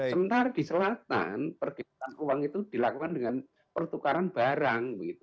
sementara di selatan pergeseran uang itu dilakukan dengan pertukaran barang